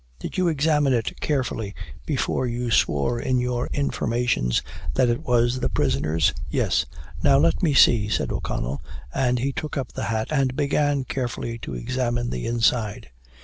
"Did you examine it carefully before you swore in your informations that it was the prisoner's?" "Yes." "Now, let me see," said O'Connell, and he took up the hat, and began carefully to examine the inside.